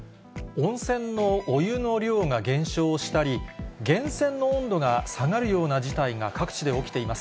温泉のお湯の量が減少したり、源泉の温度が下がるような事態が各地で起きています。